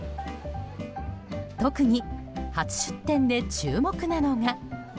特に、初出店で注目なのが。